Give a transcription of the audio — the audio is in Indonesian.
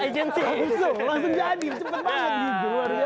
langsung jadi cepet pak